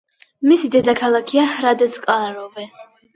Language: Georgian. მისი დედაქალაქია ჰრადეც-კრალოვე.